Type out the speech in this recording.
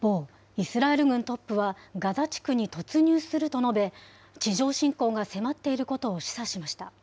、イスラエル軍トップは、ガザ地区に突入すると述べ、地上侵攻が迫っていることを示唆しました。